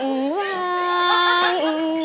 วิวหวน